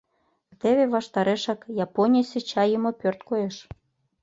Теве ваштарешак Японийысе чай йӱмӧ пӧрт коеш.